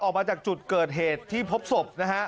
ออกมาจากจุดเกิดเหตุที่พบศพนะฮะ